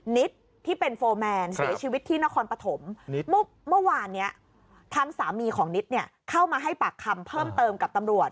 นิดที่เป็นโฟร์แมนเสียชีวิตที่นครปฐมเมื่อวานนี้ทางสามีของนิดเนี่ยเข้ามาให้ปากคำเพิ่มเติมกับตำรวจ